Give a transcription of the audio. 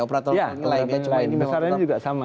operator lain ya